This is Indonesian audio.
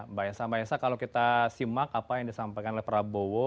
mbak esa mbak esa kalau kita simak apa yang disampaikan oleh prabowo